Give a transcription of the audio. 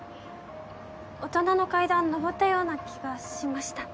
大人の階段上ったような気がしました。